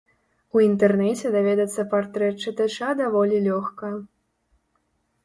У інтэрнэце даведацца партрэт чытача даволі лёгка.